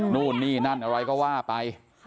นู่นนี่นั่นอะไรก็ว่าไป